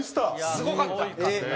すごかった。